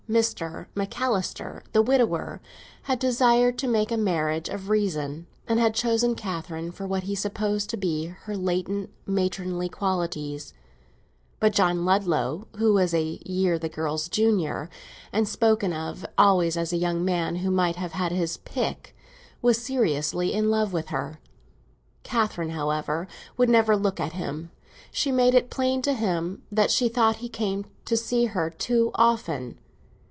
Mr. Macalister, the widower, had desired to make a marriage of reason, and had chosen Catherine for what he supposed to be her latent matronly qualities; but John Ludlow, who was a year the girl's junior, and spoken of always as a young man who might have his "pick," was seriously in love with her. Catherine, however, would never look at him; she made it plain to him that she thought he came to see her too often.